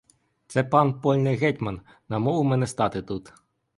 Це пан польний гетьман намовив мене стати тут.